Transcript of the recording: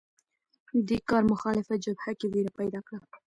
دې کار مخالفه جبهه کې وېره پیدا کړه